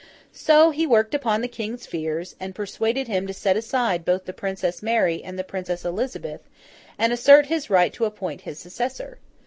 So, he worked upon the King's fears, and persuaded him to set aside both the Princess Mary and the Princess Elizabeth, and assert his right to appoint his successor.